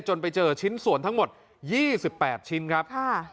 ไปเจอชิ้นส่วนทั้งหมด๒๘ชิ้นครับ